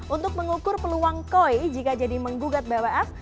untuk mengukur peluang koi jika jadi menggugat bwf